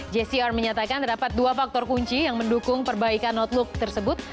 jcr menyatakan terdapat dua faktor kunci yang mendukung perbaikan outlook tersebut